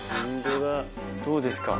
どうですか？